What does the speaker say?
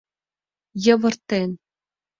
Йывыртен.